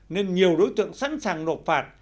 nên nhiều đối tượng sẵn sàng nộp phạt